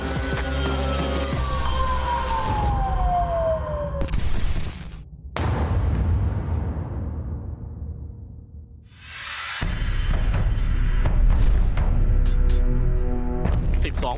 สวัสดีครับ